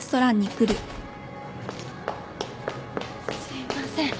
すいません。